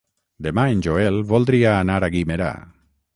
Demà en Joel voldria anar a Guimerà.